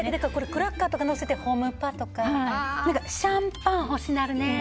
クラッカーとかのせてホムパとかシャンパン欲しなるね。